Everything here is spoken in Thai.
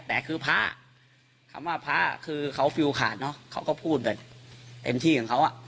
แต่คือพระคำว่าพระคือเขาฟิลขาดเนอะเขาก็พูดแบบเต็มที่ของเขาอ่ะ